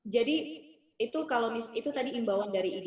jadi itu tadi imbauan dari id